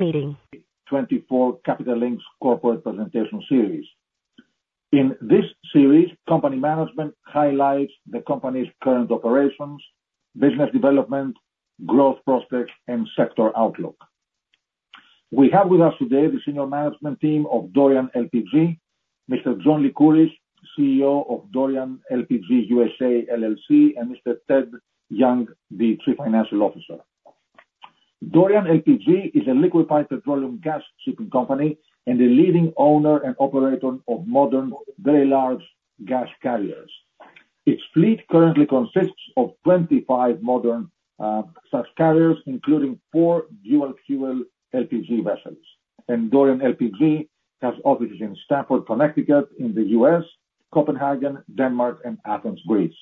2024 Capital Link Corporate Presentation Series. In this series, company management highlights the company's current operations, business development, growth prospects, and sector outlook. We have with us today the senior management team of Dorian LPG, Mr. John Lycouris, CEO of Dorian LPG (USA) LLC, and Mr. Ted Young, the Chief Financial Officer. Dorian LPG is a liquefied petroleum gas shipping company, and a leading owner and operator of modern, very large gas carriers. Its fleet currently consists of 25 modern, such carriers, including four dual fuel LPG vessels. Dorian LPG has offices in Stamford, Connecticut in the U.S., Copenhagen, Denmark, and Athens, Greece.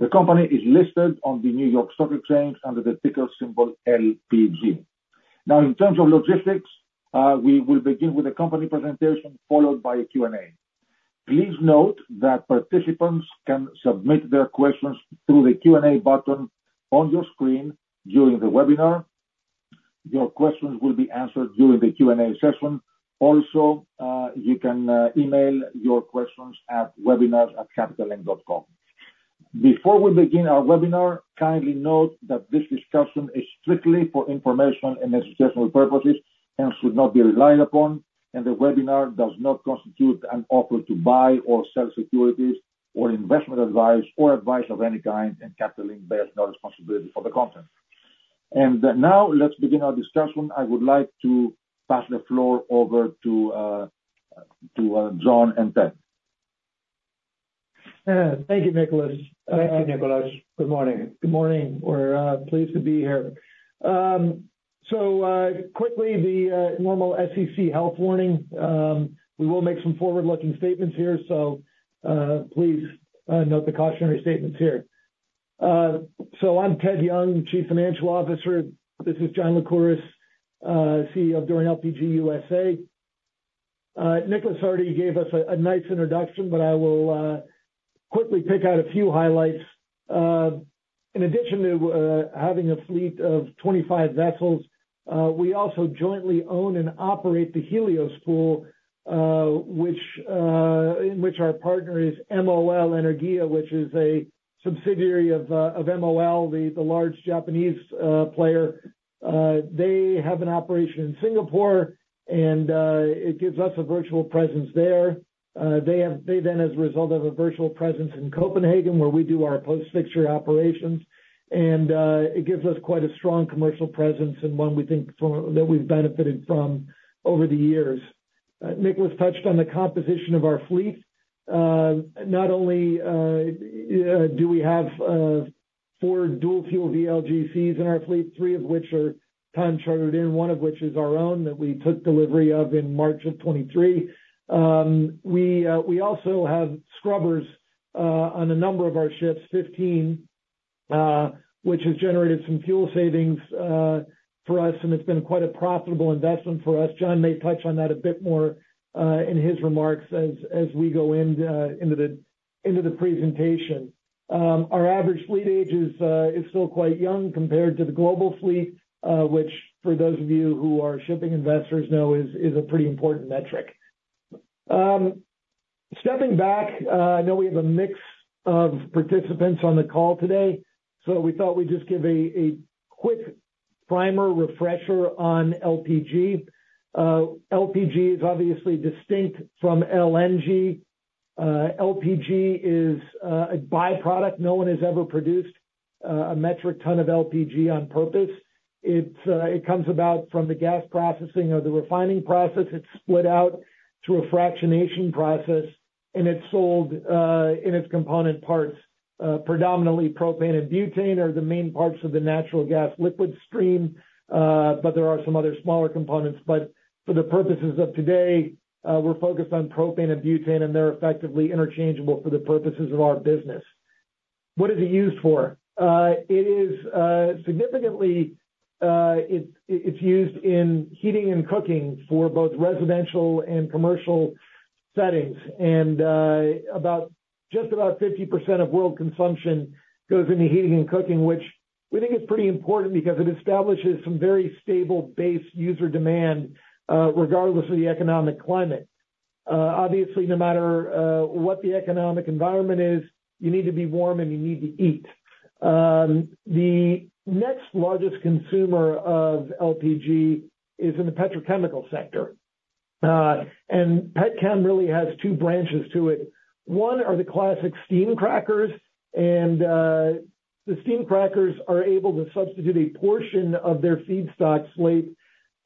The company is listed on the New York Stock Exchange under the ticker symbol LPG. Now, in terms of logistics, we will begin with a company presentation, followed by a Q&A. Please note that participants can submit their questions through the Q&A button on your screen during the webinar. Your questions will be answered during the Q&A session. Also, you can email your questions at webinars@capitallink.com. Before we begin our webinar, kindly note that this discussion is strictly for information and educational purposes and should not be relied upon, and the webinar does not constitute an offer to buy or sell securities or investment advice or advice of any kind, and Capital Link bears no responsibility for the content. Now, let's begin our discussion. I would like to pass the floor over to John and Ted. Thank you, Nicolas. Thank you, Nicolas. Good morning. Good morning. We're pleased to be here. So quickly, the normal SEC health warning. We will make some forward-looking statements here, so please note the cautionary statements here. So I'm Ted Young, Chief Financial Officer. This is John Lycouris, CEO of Dorian LPG (USA). Nicolas already gave us a nice introduction, but I will quickly pick out a few highlights. In addition to having a fleet of 25 vessels, we also jointly own and operate the Helios Pool, which in which our partner is MOL Energia, which is a subsidiary of of MOL, the large Japanese player. They have an operation in Singapore, and it gives us a virtual presence there. They then, as a result, have a virtual presence in Copenhagen, where we do our post-fixture operations, and it gives us quite a strong commercial presence, and one we think from, that we've benefited from over the years. Nicolas touched on the composition of our fleet. Not only do we have four dual fuel VLGCs in our fleet, three of which are time chartered, and one of which is our own, that we took delivery of in March of 2023. We also have scrubbers on a number of our ships, 15, which has generated some fuel savings for us, and it's been quite a profitable investment for us. John may touch on that a bit more in his remarks as we go into the presentation. Our average fleet age is still quite young compared to the global fleet, which, for those of you who are shipping investors know, is a pretty important metric. Stepping back, I know we have a mix of participants on the call today, so we thought we'd just give a quick primer refresher on LPG. LPG is obviously distinct from LNG. LPG is a byproduct. No one has ever produced a metric ton of LPG on purpose. It comes about from the gas processing or the refining process. It's split out through a fractionation process, and it's sold in its component parts. Predominantly propane and butane are the main parts of the natural gas liquid stream, but there are some other smaller components. But for the purposes of today, we're focused on propane and butane, and they're effectively interchangeable for the purposes of our business. What is it used for? It is significantly used in heating and cooking for both residential and commercial settings. And just about 50% of world consumption goes into heating and cooking, which we think is pretty important because it establishes some very stable base user demand, regardless of the economic climate. Obviously, no matter what the economic environment is, you need to be warm and you need to eat. The next largest consumer of LPG is in the petrochemical sector, and petchem really has two branches to it. One are the classic steam crackers, and the steam crackers are able to substitute a portion of their feedstock slate,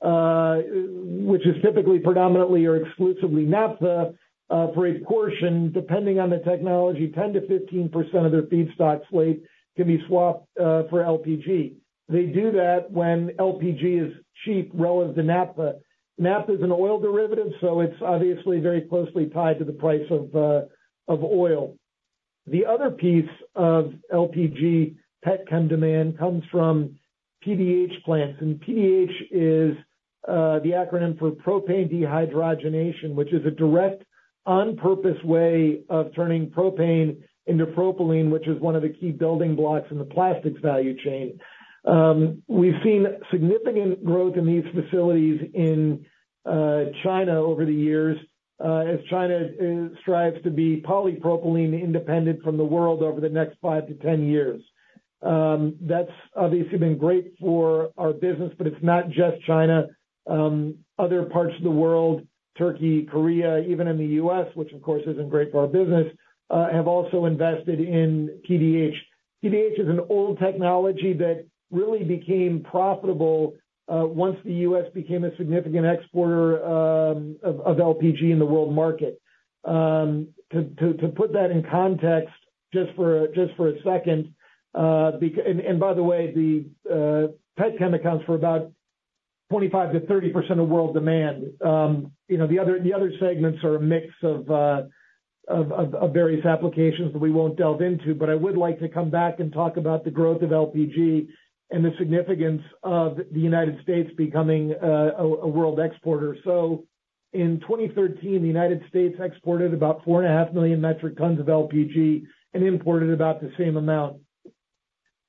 which is typically predominantly or exclusively naphtha, for a portion. Depending on the technology, 10%-15% of their feedstock slate can be swapped for LPG. They do that when LPG is cheap relative to naphtha. Naphtha is an oil derivative, so it's obviously very closely tied to the price of oil. The other piece of LPG petchem demand comes from PDH plants, and PDH is the acronym for propane dehydrogenation, which is a on-purpose way of turning propane into propylene, which is one of the key building blocks in the plastics value chain. We've seen significant growth in these facilities in China over the years, as China strives to be polypropylene independent from the world over the next five to 10 years. That's obviously been great for our business, but it's not just China. Other parts of the world, Turkey, Korea, even in the U.S., which of course, isn't great for our business, have also invested in PDH. PDH is an old technology that really became profitable once the U.S. became a significant exporter of LPG in the world market. To put that in context, just for a second, and by the way, the petchem accounts for about 25%-30% of world demand. You know, the other segments are a mix of various applications that we won't delve into, but I would like to come back and talk about the growth of LPG and the significance of the United States becoming a world exporter. So in 2013, the United States exported about 4.5 million metric tons of LPG and imported about the same amount.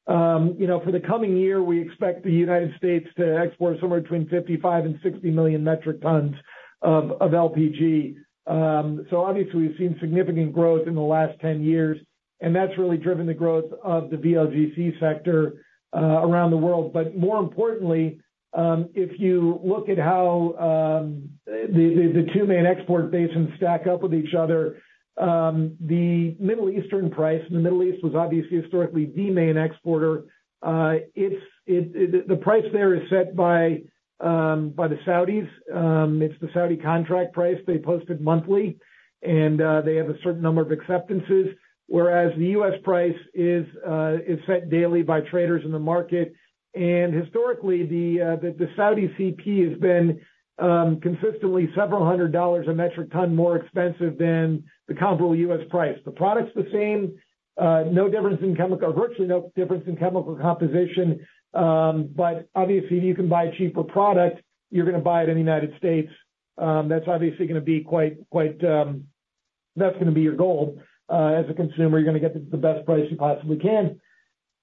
You know, for the coming year, we expect the United States to export somewhere between 55 and 60 million metric tons of LPG. So obviously, we've seen significant growth in the last 10 years, and that's really driven the growth of the VLGC sector around the world. But more importantly, if you look at how the two main export basins stack up with each other, the Middle Eastern price, and the Middle East was obviously historically the main exporter. It's the price there is set by the Saudis. It's the Saudi contract price they posted monthly, and they have a certain number of acceptances, whereas the U.S. price is set daily by traders in the market. And historically, the Saudi CP has been consistently several hundred dollars a metric ton more expensive than the comparable U.S. price. The product's the same, no difference in chemical or virtually no difference in chemical composition. But obviously, if you can buy a cheaper product, you're gonna buy it in the United States. That's obviously gonna be quite. That's gonna be your goal. As a consumer, you're gonna get the best price you possibly can.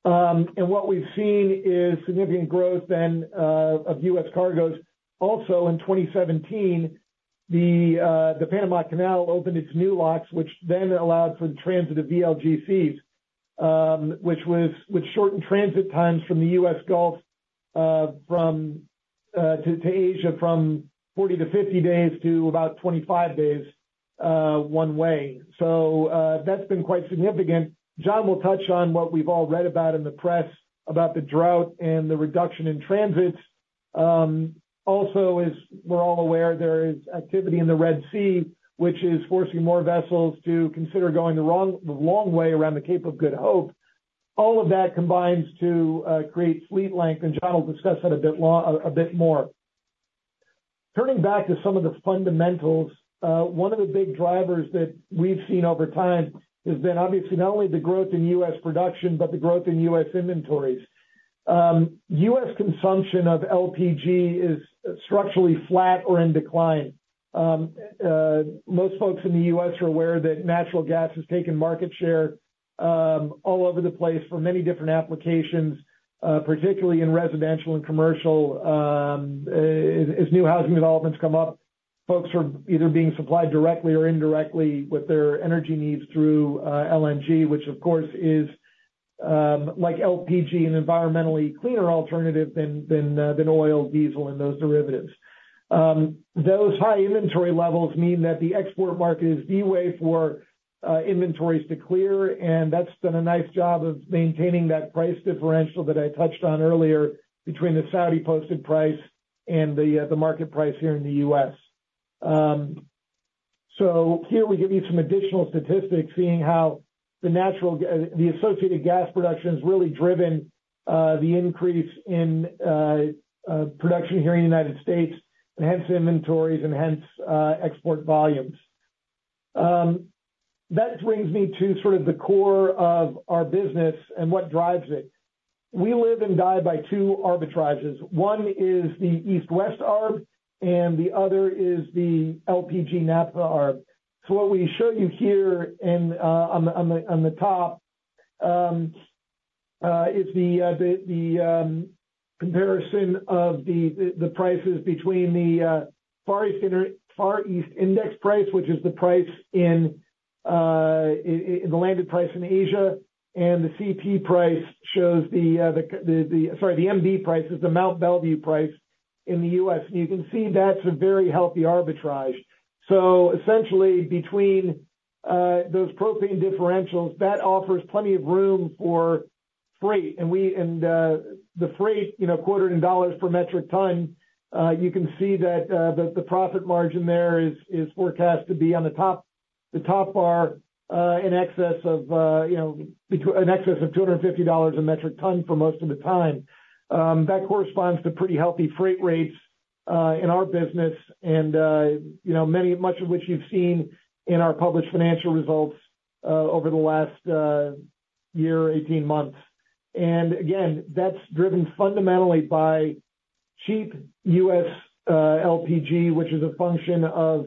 And what we've seen is significant growth and of U.S. cargoes. Also, in 2017, the Panama Canal opened its new locks, which then allowed for the transit of VLGCs, which shortened transit times from the U.S. Gulf to Asia from 40 days-50 days to about 25 days, one way. So, that's been quite significant. John will touch on what we've all read about in the press about the drought and the reduction in transits. Also, as we're all aware, there is activity in the Red Sea, which is forcing more vessels to consider going the long way around the Cape of Good Hope. All of that combines to create fleet length, and John will discuss that a bit more. Turning back to some of the fundamentals, one of the big drivers that we've seen over time has been obviously not only the growth in U.S. production, but the growth in U.S. inventories. U.S. consumption of LPG is structurally flat or in decline. Most folks in the U.S. are aware that natural gas has taken market share all over the place for many different applications, particularly in residential and commercial. As new housing developments come up, folks are either being supplied directly or indirectly with their energy needs through LNG, which of course is like LPG, an environmentally cleaner alternative than oil, diesel, and those derivatives. Those high inventory levels mean that the export market is the way for inventories to clear, and that's done a nice job of maintaining that price differential that I touched on earlier between the Saudi posted price and the market price here in the U.S. So here we give you some additional statistics, seeing how the associated gas production has really driven the increase in production here in the United States, and hence inventories and hence export volumes. That brings me to sort of the core of our business and what drives it. We live and die by two arbitrages. One is the East-West arb, and the other is the LPG naphtha arb. So what we show you here in, on the top, is the comparison of the prices between the Far East Index price, which is the price in the landed price in Asia, and the CP price shows the. Sorry, the MB price is the Mont Belvieu price in the U.S., and you can see that's a very healthy arbitrage. So essentially, between those propane differentials, that offers plenty of room for freight. The freight, you know, quoted in $ per metric ton. You can see that the profit margin there is forecast to be on the top, the top bar, in excess of $250 per metric ton for most of the time. That corresponds to pretty healthy freight rates in our business, and you know, much of which you've seen in our published financial results over the last year, 18 months. And again, that's driven fundamentally by cheap U.S. LPG, which is a function of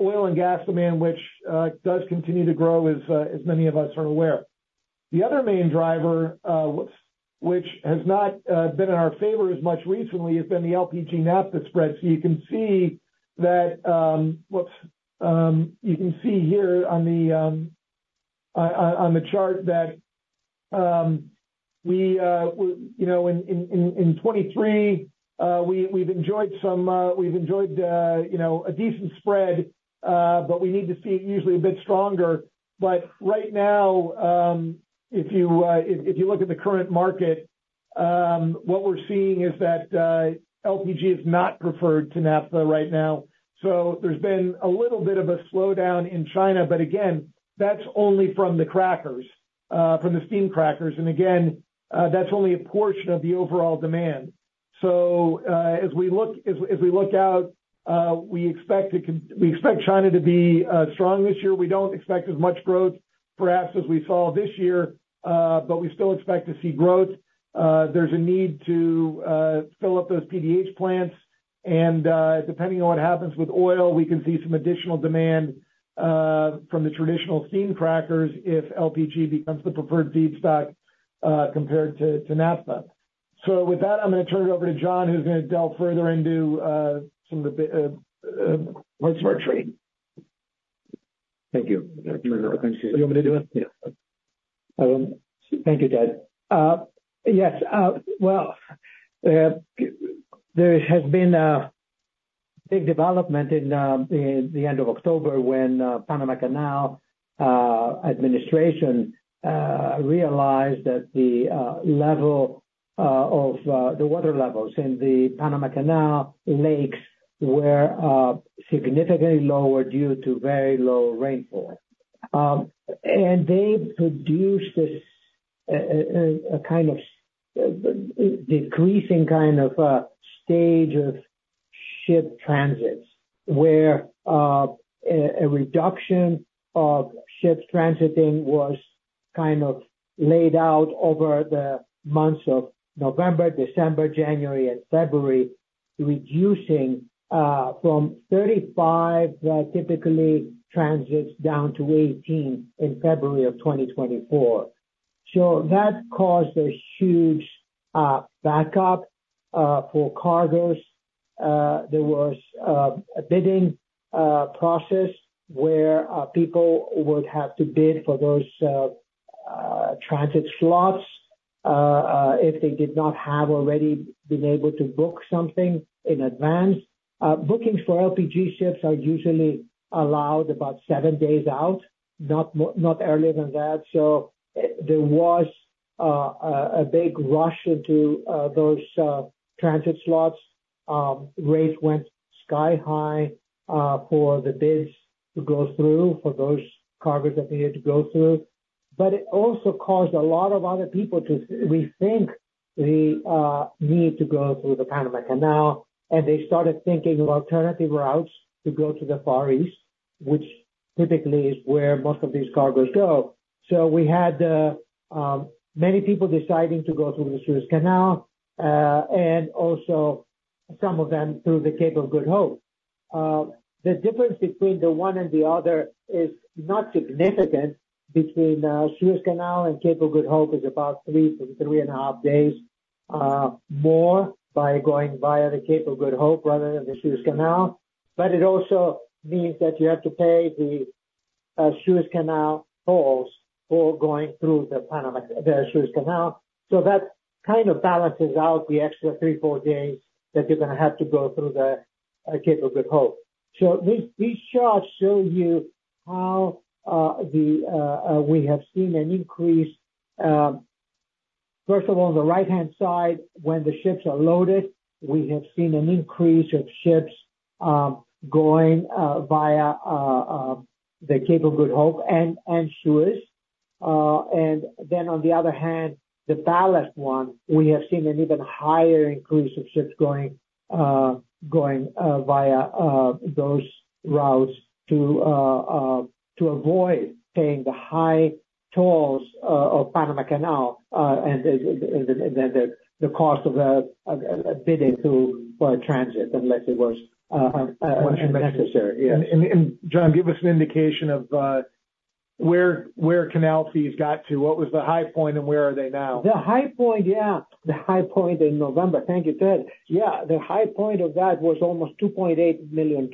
oil and gas demand, which does continue to grow as many of us are aware. The other main driver, which has not been in our favor as much recently, has been the LPG naphtha spread. So you can see that, you can see here on the chart that, you know, in 2023, we've enjoyed some, we've enjoyed, you know, a decent spread, but we need to see it usually a bit stronger. But right now, if you look at the current market, what we're seeing is that, LPG is not preferred to naphtha right now. So there's been a little bit of a slowdown in China, but again, that's only from the crackers, from the steam crackers. And again, that's only a portion of the overall demand. So, as we look out, we expect China to be strong this year. We don't expect as much growth, perhaps, as we saw this year, but we still expect to see growth. There's a need to fill up those PDH plants, and depending on what happens with oil, we can see some additional demand from the traditional steam crackers if LPG becomes the preferred feedstock compared to naphtha. So with that, I'm gonna turn it over to John, who's gonna delve further into some of the parts of our trade. Thank you. You want me to do it? Yeah. Thank you, Ted. Yes, well, there has been a big development in the end of October, when Panama Canal administration realized that the level of the water levels in the Panama Canal lakes were significantly lower due to very low rainfall. And they produced this a kind of decreasing kind of stage of ship transits, where a reduction of ships transiting was kind of laid out over the months of November, December, January, and February, reducing from 35 typically transits down to 18 in February of 2024. So that caused a huge backup for cargoes. There was a bidding process where people would have to bid for those transit slots if they did not have already been able to book something in advance. Bookings for LPG ships are usually allowed about seven days out, not earlier than that. So there was a big rush into those transit slots. Rates went sky high for the bids to go through, for those cargoes that needed to go through. But it also caused a lot of other people to rethink the need to go through the Panama Canal, and they started thinking of alternative routes to go to the Far East, which typically is where most of these cargoes go. So we had many people deciding to go through the Suez Canal, and also some of them through the Cape of Good Hope. The difference between the one and the other is not significant. Between Suez Canal and Cape of Good Hope is about 3-3.5 days more by going via the Cape of Good Hope rather than the Suez Canal. But it also means that you have to pay the Suez Canal tolls for going through the Suez Canal. So that kind of balances out the extra three to four days that you're gonna have to go through the Cape of Good Hope. So these charts show you how we have seen an increase, first of all, on the right-hand side, when the ships are loaded, we have seen an increase of ships going via the Cape of Good Hope and Suez. And then, on the other hand, the ballast one, we have seen an even higher increase of ships going via those routes to avoid paying the high tolls of Panama Canal and the cost of the bidding for a transit, unless it was necessary. Yes. John, give us an indication of where canal fees got to. What was the high point, and where are they now? The high point, yeah, the high point in November. Thank you, Ted. Yeah, the high point of that was almost $2.8 million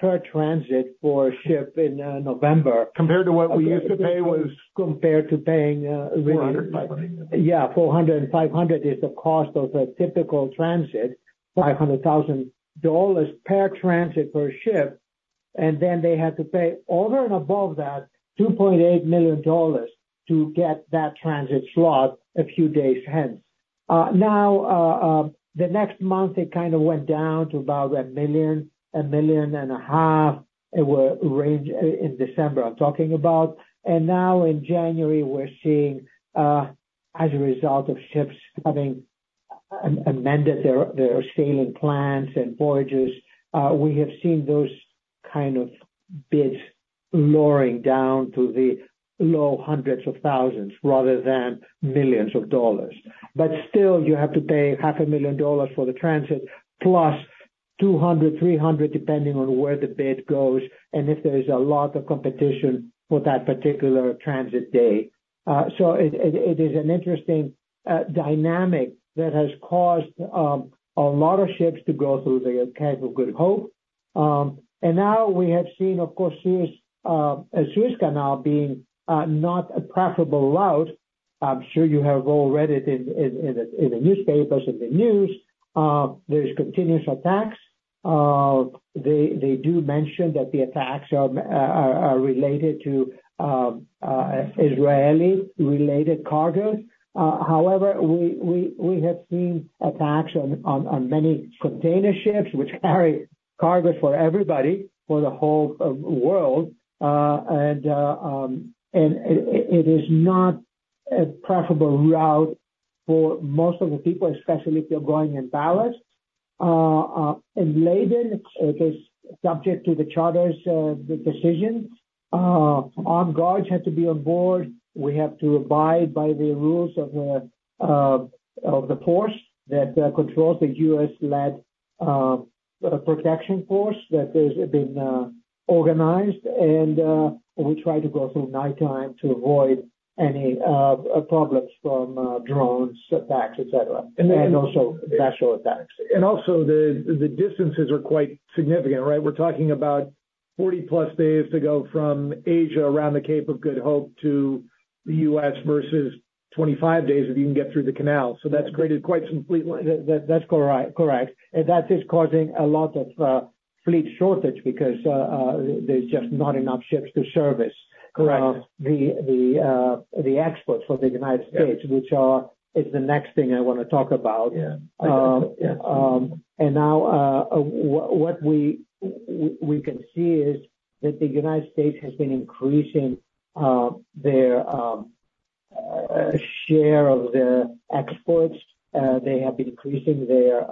per transit for a ship in November. Compared to what we used to pay was? Compared to paying, 400, 500. Yeah, 400 and 500 is the cost of a typical transit, $500,000 per transit, per ship. Then they had to pay over and above that, $2.8 million to get that transit slot a few days hence. Now, the next month, it kind of went down to about $1 million-$1.5 million. It will range. In December, I'm talking about. Now in January, we're seeing, as a result of ships having amended their sailing plans and voyages, we have seen those kind of bids lowering down to the low hundreds of thousands rather than millions of dollars. But still, you have to pay $500,000 for the transit, +$200,000-$300,000, depending on where the bid goes and if there is a lot of competition for that particular transit day. So it is an interesting dynamic that has caused a lot of ships to go through the Cape of Good Hope. And now we have seen, of course, the Suez Canal being not a preferable route. I'm sure you have all read it in the newspapers, in the news. There is continuous attacks. They do mention that the attacks are related to Israeli-related cargos. However, we have seen attacks on many container ships which carry cargos for everybody, for the whole world. It is not a preferable route for most of the people, especially if you're going in ballast. In laden, it is subject to the charter's decision. Armed guards have to be on board. We have to abide by the rules of the force that controls the U.S.-led protection force that has been organized. And we try to go through nighttime to avoid any problems from drones, attacks, et cetera, and also natural attacks. Also, the distances are quite significant, right? We're talking about 40+ days to go from Asia around the Cape of Good Hope to the U.S. versus 25 days, if you can get through the canal. So that's created quite some fleet line. That's correct. And that is causing a lot of fleet shortage because there's just not enough ships to service- Correct. the exports for the United States- Yeah. which is the next thing I want to talk about. Yeah. Um. Yeah. And now, what we can see is that the United States has been increasing their share of their exports. They have been increasing their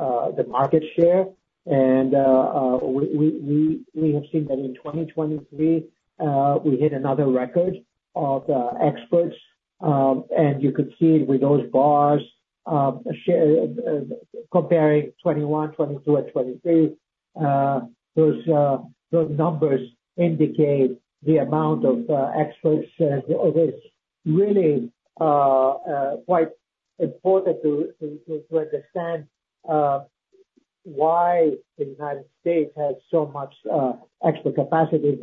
market share. And we have seen that in 2023, we hit another record of exports. And you could see it with those bars, share, comparing 2021, 2022 and 2023. Those numbers indicate the amount of exports. It is really quite important to understand why the United States has so much export capacity.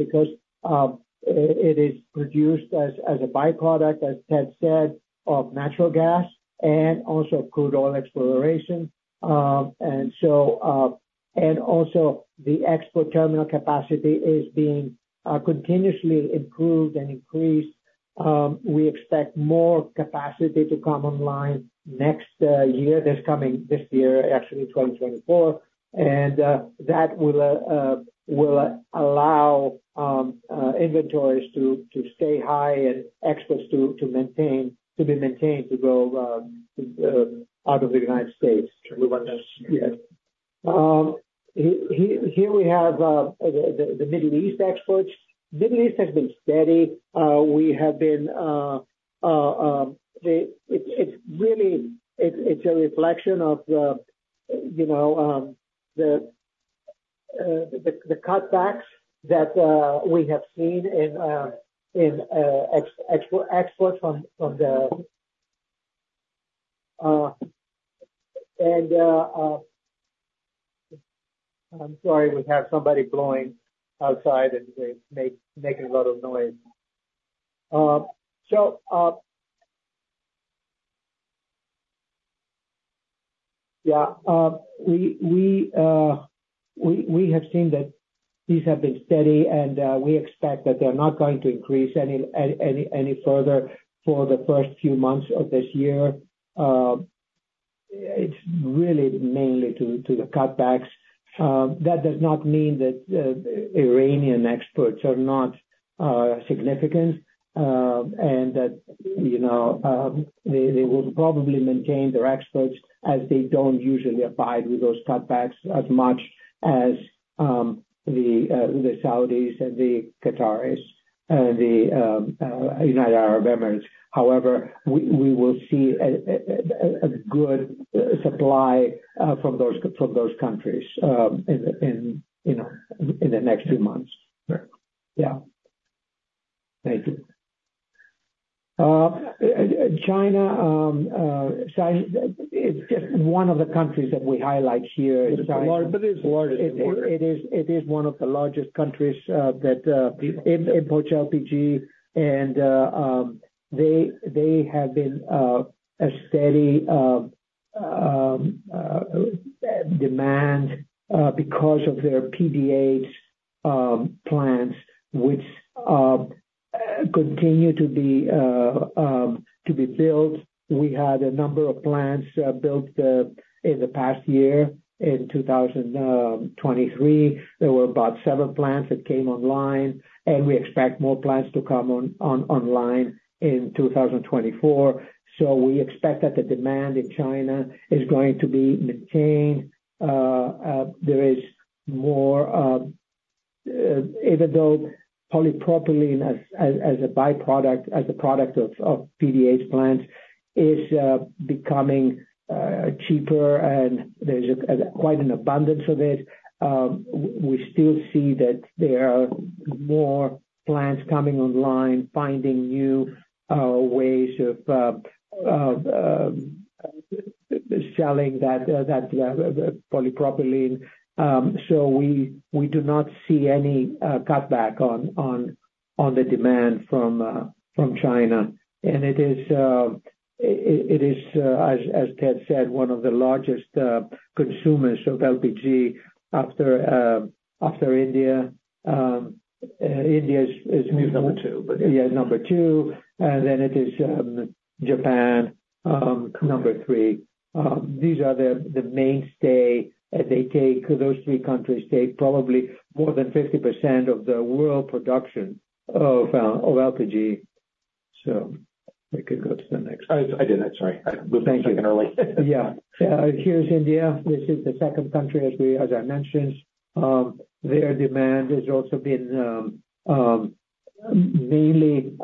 Because it is produced as a byproduct, as Ted said, of natural gas and also crude oil exploration. And so, and also the export terminal capacity is being continuously improved and increased. We expect more capacity to come online next year, this coming year, actually, 2024. And that will allow inventories to stay high and exports to maintain, to be maintained, to go out of the United States. Move on this. Yes. Here we have the Middle East exports. Middle East has been steady. It's really a reflection of the, you know, the cutbacks that we have seen in exports from the Middle East. I'm sorry, we have somebody blowing outside, and they're making a lot of noise. So, yeah, we have seen that these have been steady, and we expect that they're not going to increase any further for the first few months of this year. It's really mainly to the cutbacks. That does not mean that Iranian exports are not significant, and that, you know, they will probably maintain their exports as they don't usually abide with those cutbacks as much as the Saudis and the Qataris, the United Arab Emirates. However, we will see a good supply from those countries, you know, in the next few months. Sure. Yeah. Thank you. China is just one of the countries that we highlight here. But it's large, but it's large important. It is one of the largest countries that import LPG and they have been a steady demand because of their PDH plants, which continue to be built. We had a number of plants built in the past year. In 2023, there were about seven plants that came online, and we expect more plants to come online in 2024. So we expect that the demand in China is going to be maintained. There is more... Even though polypropylene as a byproduct, as a product of PDH plants is becoming cheaper, and there's quite an abundance of it, we still see that there are more plants coming online, finding new ways of selling that polypropylene. So we do not see any cutback on the demand from China. And it is, as Ted said, one of the largest consumers of LPG after India. India is Number two. Yeah, number two, and then it is Japan, number three. These are the mainstay. Those three countries take probably more than 50% of the world production of LPG. So we can go to the next. I did it. Sorry. Thank you. Early. Yeah. Here's India. This is the second country, as I mentioned. Their demand has also been mainly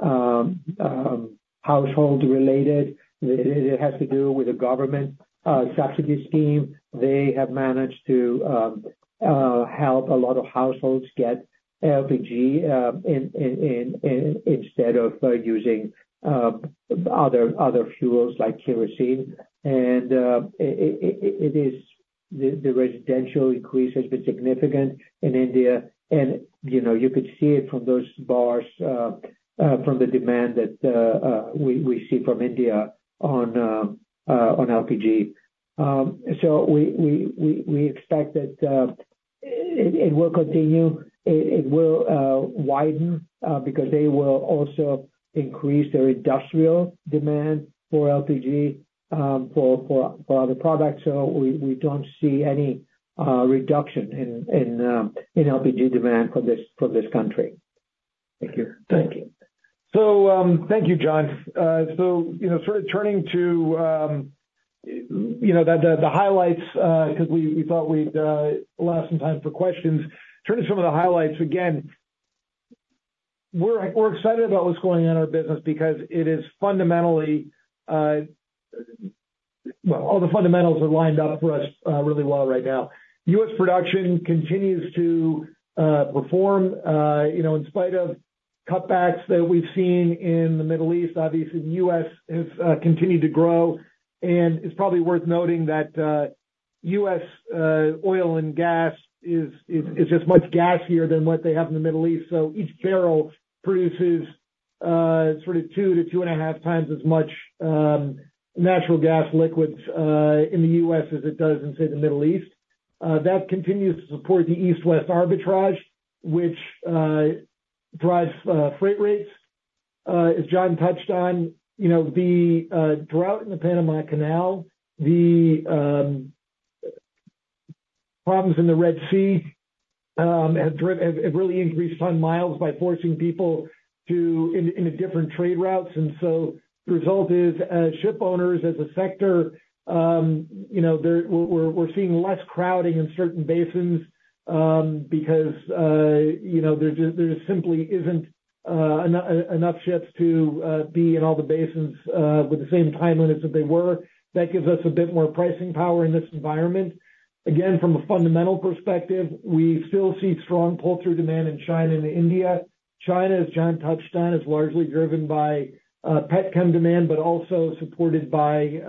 household related. It has to do with the government subsidy scheme. They have managed to help a lot of households get LPG in instead of using other fuels like kerosene. And it is the residential increase has been significant in India, and, you know, you could see it from those bars from the demand that we see from India on LPG. So we expect that it will continue, it will widen, because they will also increase their industrial demand for LPG for other products. We don't see any reduction in LPG demand for this country. Thank you. Thank you. So, thank you, John. So, you know, sort of turning to the highlights, because we thought we'd allow some time for questions. Turning to some of the highlights, again, we're excited about what's going on in our business because it is fundamentally. Well, all the fundamentals are lined up for us, really well right now. U.S. production continues to perform, you know, in spite of cutbacks that we've seen in the Middle East. Obviously, the U.S. has continued to grow, and it's probably worth noting that U.S. oil and gas is just much gassier than what they have in the Middle East. So each barrel produces sort of 2 to 2.5 times as much natural gas liquids in the U.S. as it does in, say, the Middle East. That continues to support the East-West arbitrage, which drives freight rates. As John touched on, you know, the drought in the Panama Canal, the problems in the Red Sea have really increased ton miles by forcing people into different trade routes. And so the result is, as ship owners, as a sector, you know, we're seeing less crowding in certain basins because you know, there just simply isn't enough ships to be in all the basins with the same time limits that they were. That gives us a bit more pricing power in this environment. Again, from a fundamental perspective, we still see strong pull-through demand in China and India. China, as John touched on, is largely driven by petchem demand, but also supported by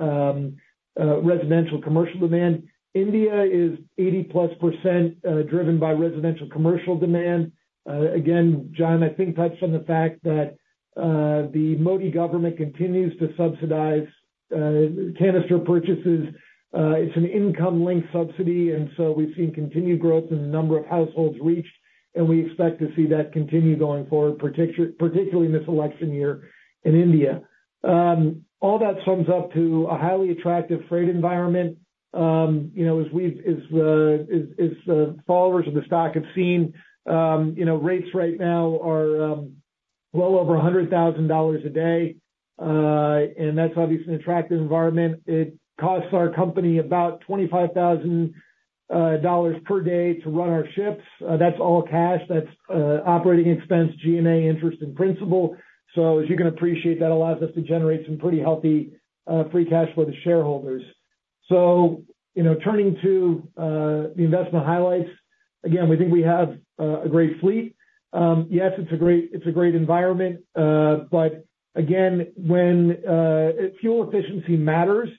residential commercial demand. India is 80+% driven by residential commercial demand. Again, John, I think, touched on the fact that the Modi government continues to subsidize canister purchases. It's an income-linked subsidy, and so we've seen continued growth in the number of households reached, and we expect to see that continue going forward, particularly in this election year in India. All that sums up to a highly attractive freight environment. You know, as the followers of the stock have seen, you know, rates right now are well over $100,000 a day, and that's obviously an attractive environment. It costs our company about $25,000 per day to run our ships. That's all cash. That's operating expense, G&A, interest and principal. So as you can appreciate, that allows us to generate some pretty healthy free cash for the shareholders. So, you know, turning to the investment highlights, again, we think we have a great fleet. Yes, it's a great environment, but again, when fuel efficiency matters,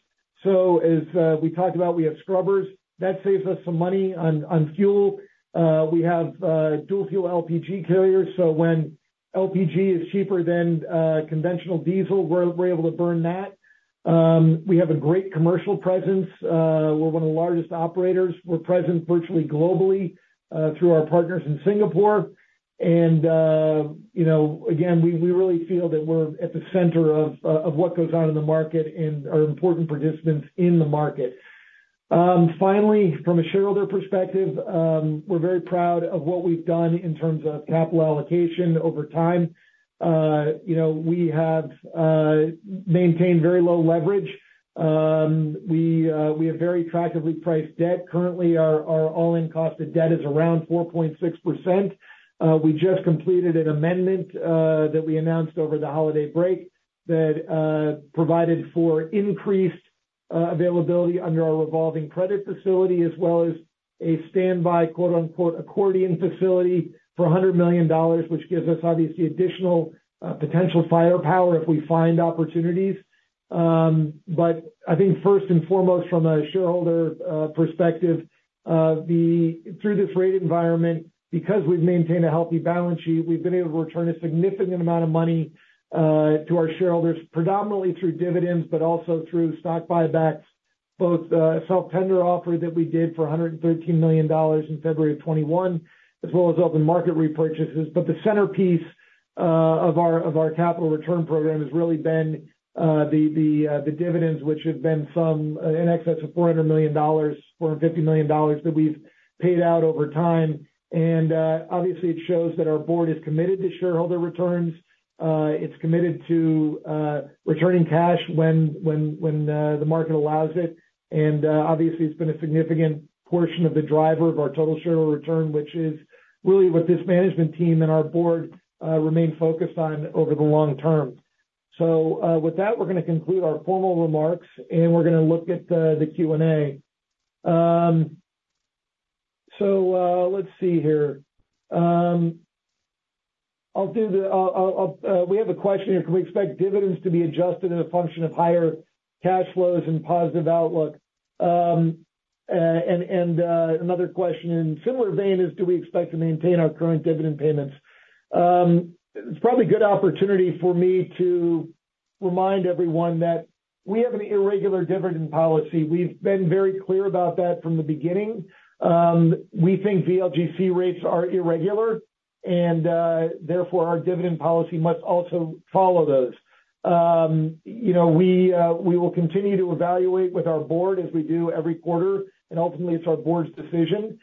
so as we talked about, we have scrubbers. That saves us some money on fuel. We have dual fuel LPG carriers, so when LPG is cheaper than conventional diesel, we're able to burn that. We have a great commercial presence. We're one of the largest operators. We're present virtually globally through our partners in Singapore. And you know, again, we really feel that we're at the center of what goes on in the market and are important participants in the market. Finally, from a shareholder perspective, we're very proud of what we've done in terms of capital allocation over time. You know, we have maintained very low leverage. We have very attractively priced debt. Currently, our all-in cost of debt is around 4.6%. We just completed an amendment that we announced over the holiday break. that provided for increased availability under our revolving credit facility, as well as a standby quote, unquote, accordion facility for $100 million, which gives us obviously additional potential firepower if we find opportunities. But I think first and foremost, from a shareholder perspective, through this rate environment, because we've maintained a healthy balance sheet, we've been able to return a significant amount of money to our shareholders, predominantly through dividends, but also through stock buybacks, both self-tender offer that we did for $113 million in February of 2021, as well as open market repurchases. The centerpiece of our capital return program has really been the dividends, which have been some in excess of $400 million, $450 million that we've paid out over time. Obviously, it shows that our board is committed to shareholder returns. It's committed to returning cash when the market allows it. Obviously, it's been a significant portion of the driver of our total shareholder return, which is really what this management team and our board remain focused on over the long term. With that, we're gonna conclude our formal remarks, and we're gonna look at the Q&A. Let's see here. I'll do the, we have a question here. Can we expect dividends to be adjusted in a function of higher cash flows and positive outlook? Another question in similar vein is, do we expect to maintain our current dividend payments? It's probably a good opportunity for me to remind everyone that we have an irregular dividend policy. We've been very clear about that from the beginning. We think VLGC rates are irregular, and therefore, our dividend policy must also follow those. You know, we will continue to evaluate with our board as we do every quarter, and ultimately it's our board's decision.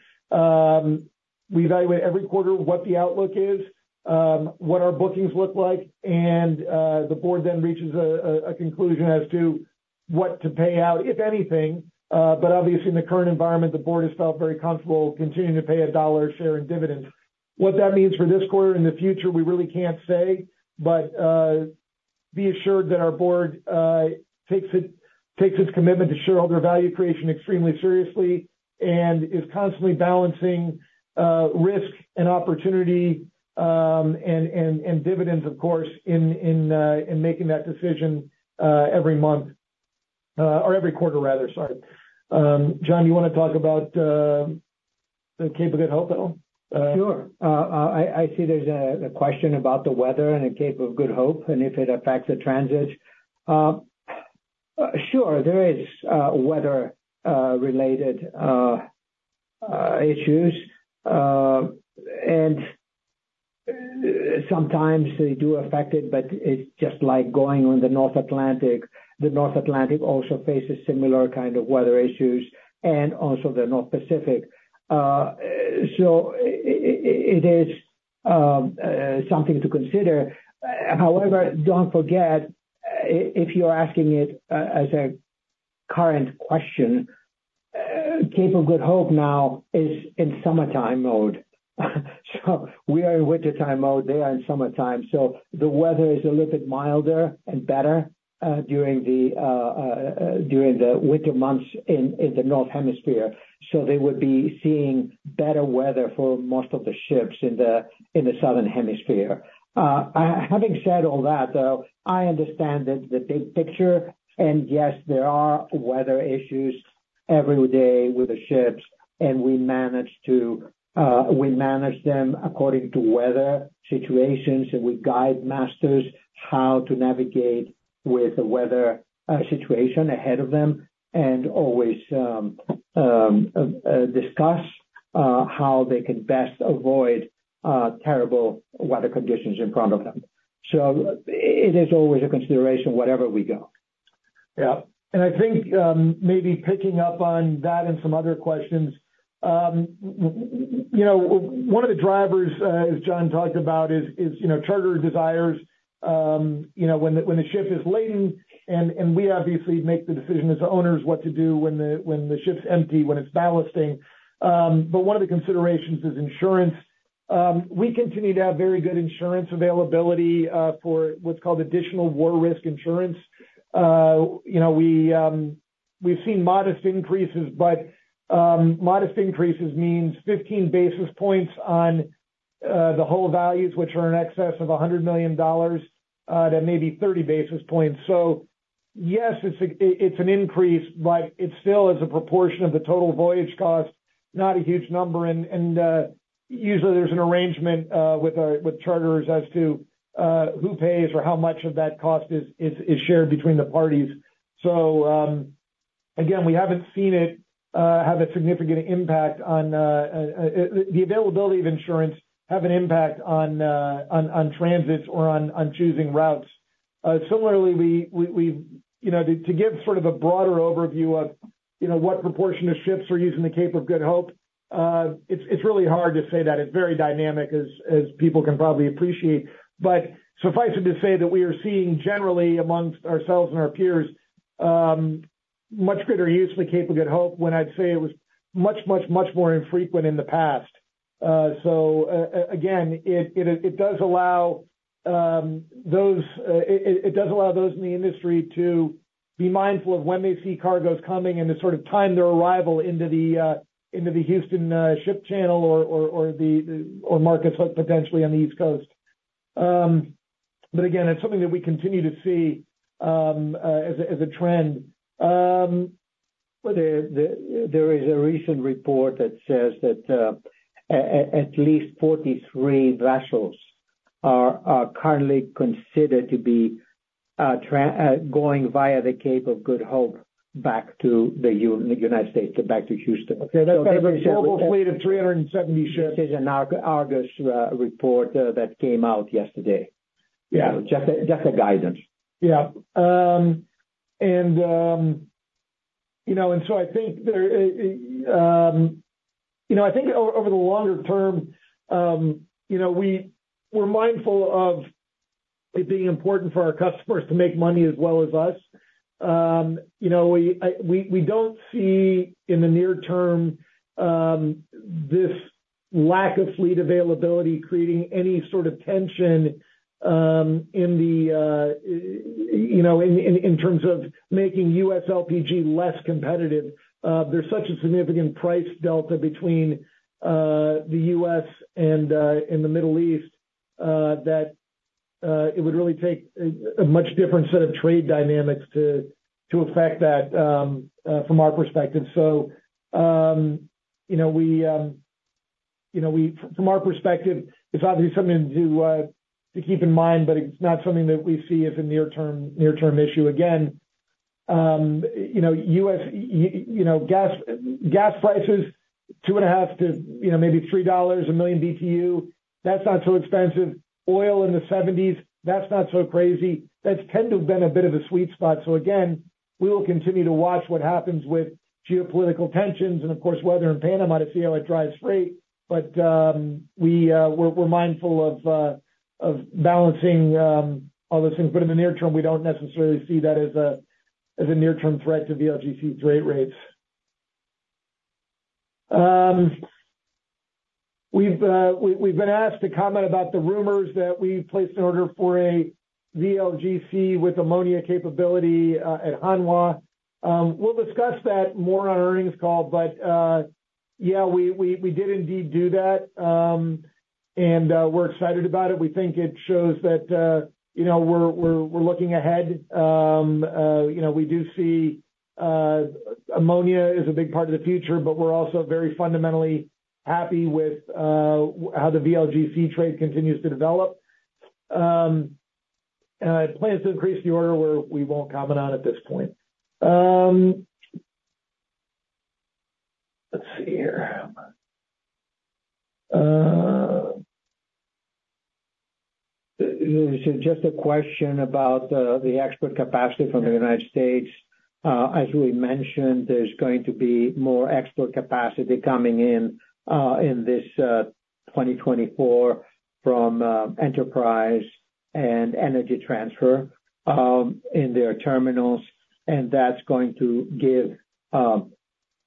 We evaluate every quarter what the outlook is, what our bookings look like, and the board then reaches a conclusion as to what to pay out, if anything. But obviously in the current environment, the board has felt very comfortable continuing to pay $1 share in dividends. What that means for this quarter and the future, we really can't say, but be assured that our board takes its commitment to shareholder value creation extremely seriously, and is constantly balancing risk and opportunity, and dividends, of course, in making that decision every month or every quarter rather. Sorry. John, you wanna talk about the Cape of Good Hope at all? Sure. I see there's a question about the weather and the Cape of Good Hope, and if it affects the transits. Sure, there is weather-related issues. Sometimes they do affect it, but it's just like going on the North Atlantic. The North Atlantic also faces similar kind of weather issues and also the North Pacific. It is something to consider. However, don't forget, if you're asking it as a current question, Cape of Good Hope now is in summertime mode. We are in wintertime mode, they are in summertime. The weather is a little bit milder and better during the winter months in the Northern Hemisphere. So they would be seeing better weather for most of the ships in the, in the Southern Hemisphere. Having said all that, though, I understand that the big picture, and yes, there are weather issues every day with the ships, and we manage to, we manage them according to weather situations, and we guide masters how to navigate with the weather situation ahead of them, and always discuss how they can best avoid terrible weather conditions in front of them. So it is always a consideration wherever we go. Yeah. And I think, maybe picking up on that and some other questions, you know, one of the drivers, as John talked about, is, you know, charter desires. You know, when the ship is laden, and we obviously make the decision as the owners, what to do when the ship's empty, when it's ballasting. But one of the considerations is insurance. We continue to have very good insurance availability for what's called additional war risk insurance. You know, we've seen modest increases, but modest increases means 15 basis points on the hull values, which are in excess of $100 million, to maybe 30 basis points. So yes, it's an increase, but it still is a proportion of the total voyage cost, not a huge number, and usually there's an arrangement with our charterers as to who pays or how much of that cost is shared between the parties. So, again, we haven't seen it have a significant impact on the availability of insurance, have an impact on transits or on choosing routes. Similarly, we've You know, to give sort of a broader overview of, you know, what proportion of ships are using the Cape of Good Hope, it's really hard to say that. It's very dynamic as people can probably appreciate. But suffice it to say that we are seeing generally among ourselves and our peers much greater use of the Cape of Good Hope, when I'd say it was much, much, much more infrequent in the past. So again, it does allow those in the industry to be mindful of when they see cargoes coming, and to sort of time their arrival into the Houston Ship Channel or markets like potentially on the East Coast. But again, it's something that we continue to see as a trend. Well, there is a recent report that says that at least 43 vessels are currently considered to be going via the Cape of Good Hope back to the United States, so back to Houston. Okay, that's global fleet of 370 ships. This is an Argus report that came out yesterday. Yeah. Just a guidance. Yeah. And, you know, and so I think there, you know, I think over the longer term, you know, we're mindful of it being important for our customers to make money as well as us. You know, we, we don't see in the near term, this lack of fleet availability creating any sort of tension, in the, you know, in, in, in terms of making U.S. LPG less competitive. There's such a significant price delta between, the U.S. and, and the Middle East, that, it would really take a much different set of trade dynamics to affect that, from our perspective. So, you know, we from our perspective, it's obviously something to keep in mind, but it's not something that we see as a near-term, near-term issue. Again, you know, US gas prices, $2.5 to maybe $3 a million BTU, that's not so expensive. Oil in the $70s, that's not so crazy. That's tend to have been a bit of a sweet spot. So again, we will continue to watch what happens with geopolitical tensions and of course, weather in Panama to see how it drives freight. But, we're mindful of balancing all those things, but in the near term, we don't necessarily see that as a near-term threat to VLGC rates. We've been asked to comment about the rumors that we placed an order for a VLGC with ammonia capability at Hanwha. We'll discuss that more on our earnings call, but yeah, we did indeed do that. And we're excited about it. We think it shows that, you know, we're looking ahead. You know, we do see ammonia is a big part of the future, but we're also very fundamentally happy with how the VLGC trade continues to develop. And our plans to increase the order where we won't comment on at this point. Let's see here. This is just a question about the export capacity from the United States. As we mentioned, there's going to be more export capacity coming in in this 2024 from Enterprise and Energy Transfer in their terminals. That's going to give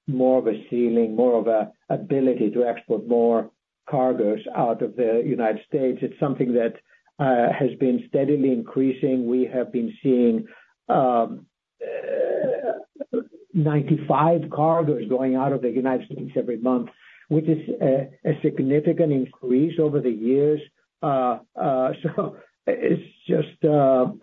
more of a ceiling, more of a ability to export more cargoes out of the United States. It's something that has been steadily increasing. We have been seeing 95 cargoes going out of the United States every month, which is a significant increase over the years. So it's just,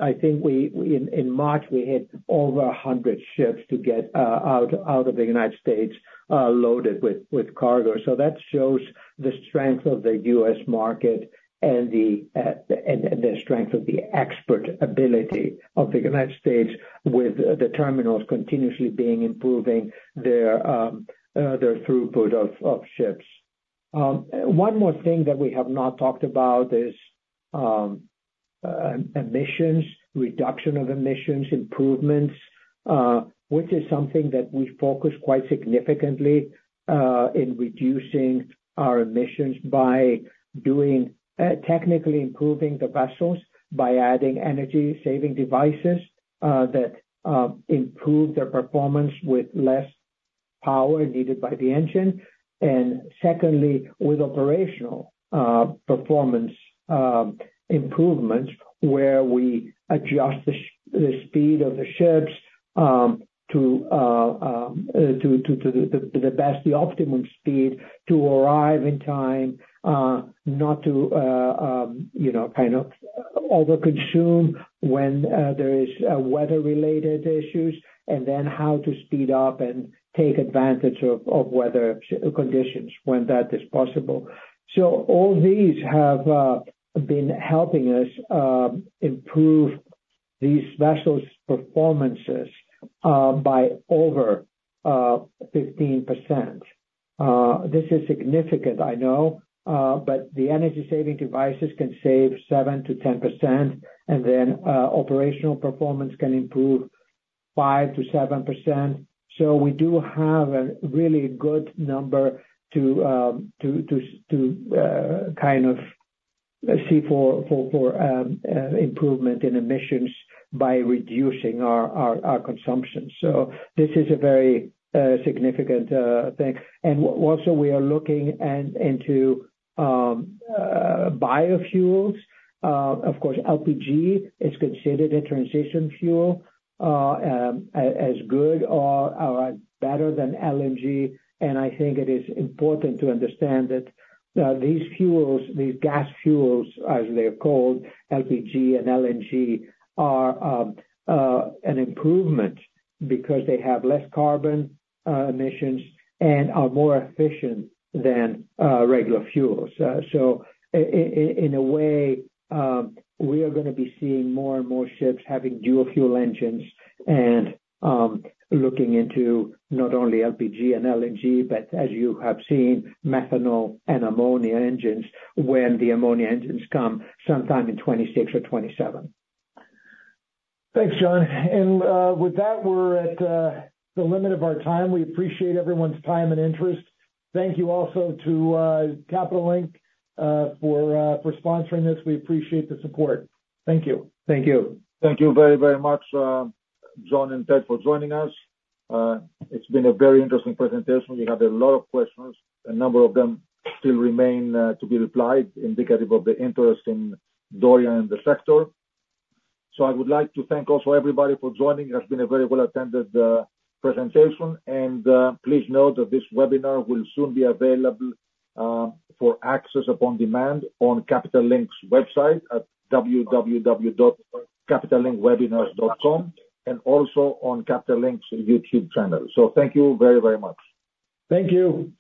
I think we in March we hit over 100 ships to get out of the United States loaded with cargo. So that shows the strength of the U.S. market and the, and, and the strength of the export ability of the United States with the terminals continuously being improving their, their throughput of ships. One more thing that we have not talked about is emissions, reduction of emissions, improvements, which is something that we focus quite significantly in reducing our emissions by doing technically improving the vessels by adding energy-saving devices that improve their performance with less power needed by the engine. And secondly, with operational performance improvements, where we adjust the speed of the ships to the best, the optimum speed to arrive in time, not to you know kind of overconsume when there is weather-related issues, and then how to speed up and take advantage of weather conditions when that is possible. So all these have been helping us improve these vessels' performances by over 15%. This is significant, I know, but the energy-saving devices can save 7%-10%, and then operational performance can improve 5%-7%. So we do have a really good number to kind of see for improvement in emissions by reducing our consumption. So this is a very significant thing. Also, we are looking into biofuels. Of course, LPG is considered a transition fuel, as good or better than LNG. And I think it is important to understand that these fuels, these gas fuels, as they're called, LPG and LNG, are an improvement because they have less carbon emissions and are more efficient than regular fuels. So in a way, we are gonna be seeing more and more ships having dual fuel engines and looking into not only LPG and LNG, but as you have seen, methanol and ammonia engines, when the ammonia engines come sometime in 2026 or 2027. Thanks, John. With that, we're at the limit of our time. We appreciate everyone's time and interest. Thank you also to Capital Link for sponsoring this. We appreciate the support. Thank you. Thank you. Thank you very, very much, John and Ted, for joining us. It's been a very interesting presentation. We had a lot of questions. A number of them still remain to be replied, indicative of the interest in Dorian and the sector. So I would like to thank also everybody for joining. It has been a very well-attended presentation, and please note that this webinar will soon be available for access upon demand on Capital Link's website at www.capitallinkwebinars.com, and also on Capital Link's YouTube channel. So thank you very, very much. Thank you.